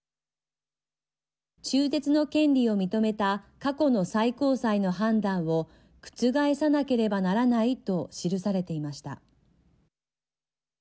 中絶の権利を認めた過去の最高裁の判断を覆さなければならないと記されていました。